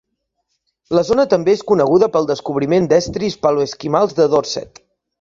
La zona també és coneguda pel descobriment d'estris paloesquimals de Dorset.